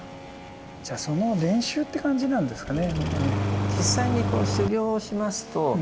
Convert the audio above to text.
その練習って感じなんですかね。